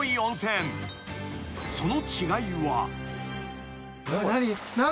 その違いは］何？